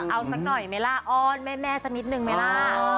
เอาสักหน่อยไหมล่ะอ้อนแม่สักนิดนึงไหมล่ะ